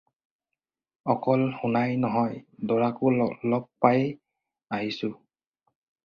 অকল শুনাই নহয় দৰাকো লগ পাই আহিছোঁ।